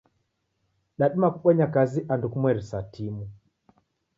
Dadima kubonya kazi andu kumweri sa timu.